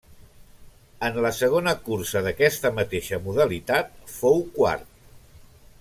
En la segona cursa d'aquesta mateixa modalitat fou quart.